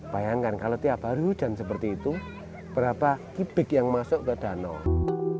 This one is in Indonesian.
bayangkan kalau tiap hari hujan seperti itu berapa kibik yang masuk ke danau